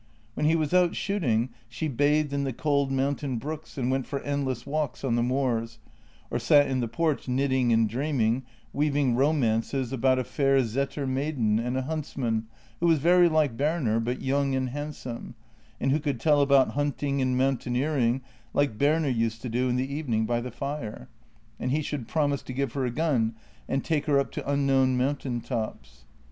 When he was out shooting, she bathed in the cold mountain brooks and went for endless walks on the moors; or sat in the porch knitting and dreaming, weaving romances about a fair saeter maiden and a huntsman, who was very like Berner, but young and handsome, and who could tell about hunting and mountaineering like Berner used to do in the evening by the fire. And he should promise to give her a gun and take her up to unknown mountain tops.